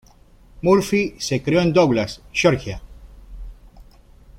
Murphy se crió en Douglas, Georgia.